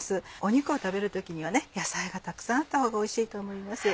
肉を食べる時には野菜がたくさんあったほうがおいしいと思います。